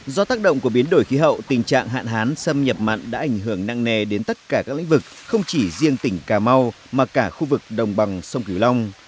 do tác động của biến đổi khí hậu tình trạng hạn hán xâm nhập mặn đã ảnh hưởng nặng nề đến tất cả các lĩnh vực không chỉ riêng tỉnh cà mau mà cả khu vực đồng bằng sông cửu long